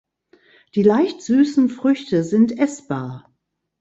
Die leicht süßen Früchte sind essbar.